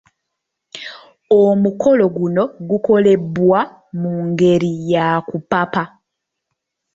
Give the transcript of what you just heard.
Omukolo guno gukolebwa mu ngeri ya kupapa.